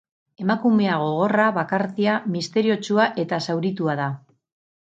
Emakumea gogorra, bakartia, misteriotsua eta zauritua da.